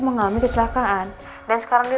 mengalami kecelakaan dan sekarang di